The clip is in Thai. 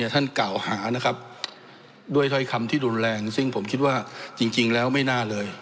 ท่านกล่าวหาด้วยคำที่ดุลแรงซึ่งผมคิดว่าจริงแล้วไม่น่าเลย